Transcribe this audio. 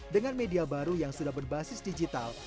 dengan media baru yang sudah berbasis digital